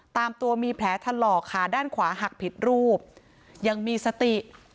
ตามตัวมีแผลถลอกขาด้านขวาหักผิดรูปยังมีสติ